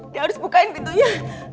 dia harus bukain pintunya